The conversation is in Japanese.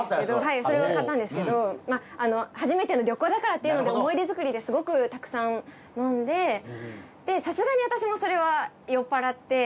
それを買ったんですけど初めての旅行だからというので思い出作りですごくたくさん飲んででさすがに私もそれは酔っ払って。